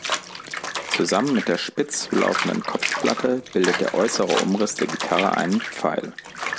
Zusammen mit der spitz zulaufenden Kopfplatte bildet der äußere Umriss der Gitarre einen Pfeil.